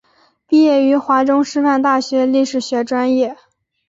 毕业于华中师范大学历史学专业。